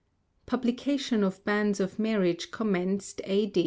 [PUBLICATION OF BANNS OF MARRIAGE COMMENCED A.